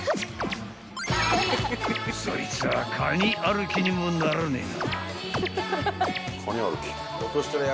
［そいつはカニ歩きにもなるねえな］